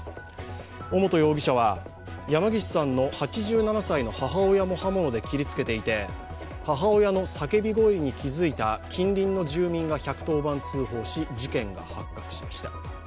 尾本容疑者は山岸さんの８７歳の母親も刃物で切りつけていて母親の叫び声に気づいた近隣の住民が１１０番通報し、事件が発覚しました。